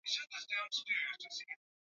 kama shule Kijerumani Schule na hela Heller